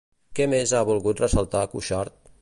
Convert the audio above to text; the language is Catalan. Què més ha volgut ressaltar Cuixart?